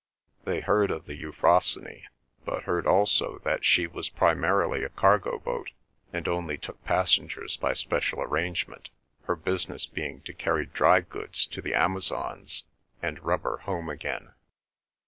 They heard of the Euphrosyne, but heard also that she was primarily a cargo boat, and only took passengers by special arrangement, her business being to carry dry goods to the Amazons, and rubber home again.